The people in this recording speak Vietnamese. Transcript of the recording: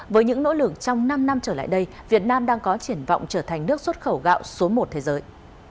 với những nỗ lực trong năm năm trở lại đây việt nam đang có triển vọng trở thành nước xuất khẩu gạo số một thế giới